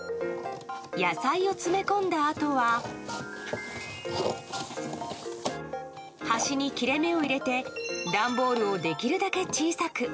野菜を詰め込んだあとは端に切れ目を入れて段ボールをできるだけ小さく。